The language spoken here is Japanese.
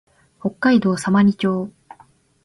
北海道様似町